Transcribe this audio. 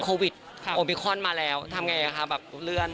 โควิดโอมิคอนมาแล้วทำไงคะแบบเลื่อน